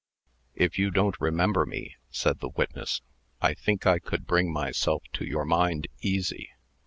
"If you don't remember me," said the witness, "I think I could bring myself to your mind easy.